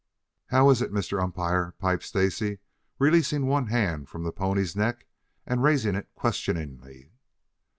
"How is it, Mr. Umpire?" piped Stacy, releasing one hand from the pony's neck and raising it questioningly.